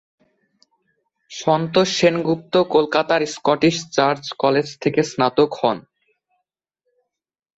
সন্তোষ সেনগুপ্ত কলকাতার Scottish church college থেকে স্নাতক হন।